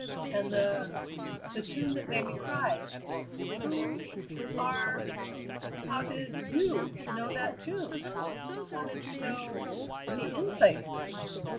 "And the the tune that made me cry. Who are How did you know that tune? How did you know the In Place?"